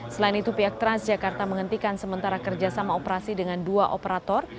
selain itu pihak transjakarta menghentikan sementara kerjasama operasi dengan dua operator